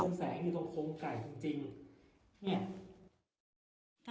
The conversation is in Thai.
แสงนี่ไฟบ้านแข็งแสงในต้นโครงไก่จริงนี่